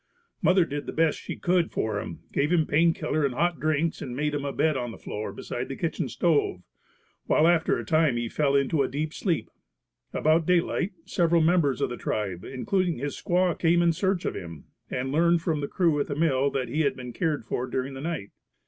Mother did the best she could for him, gave him pain killer and hot drinks and made him a bed on the floor beside the kitchen stove, where after a time he fell into deep sleep. About daylight several members of the tribe, including his squaw, came in search of him and learned from the crew at the mill that he had been cared for during the night.